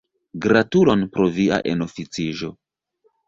Gratulon pro via enoficiĝo.